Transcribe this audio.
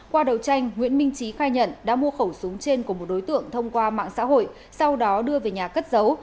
qua đầu tranh nguyễn minh trí khai nhận đã mua khẩu súng trên của một đối tượng thông qua mạng xã hội sau đó đưa về nhà cất giấu